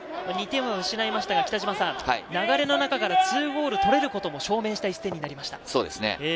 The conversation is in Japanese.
２点は失いましたが、流れの中から２ゴール取れることも証明した一戦になりました。